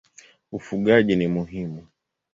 Ufugaji ni muhimu.